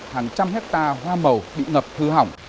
hàng trăm hectare hoa màu bị ngập hư hại